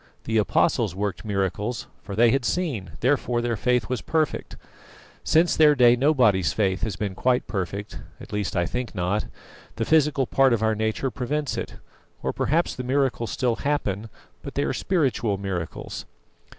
The Apostles worked miracles; for they had seen, therefore their faith was perfect. Since their day nobody's faith has been quite perfect; at least I think not. The physical part of our nature prevents it. Or perhaps the miracles still happen, but they are spiritual miracles."